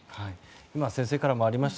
今、先生からもありました